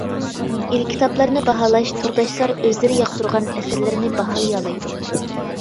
ئېلكىتابلارنى باھالاش تورداشلار ئۆزلىرى ياقتۇرغان ئەسەرلەرنى باھالىيالايدۇ.